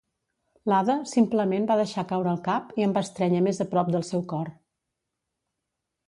L'Ada simplement va deixar caure el cap i em va estrènyer més a prop del seu cor.